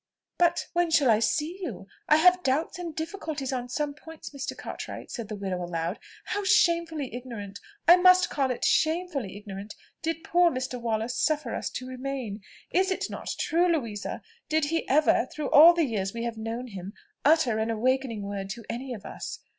"But when shall I see you? I have doubts and difficulties on some points, Mr. Cartwright," said the widow aloud. "How shamefully ignorant I must call it shamefully ignorant did poor Mr. Wallace suffer us to remain! Is it not true, Louisa? Did he ever, through all the years we have known him, utter an awakening word to any of us?"